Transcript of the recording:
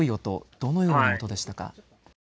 どのような音でしたか。